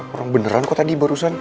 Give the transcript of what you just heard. orang beneran kok tadi barusan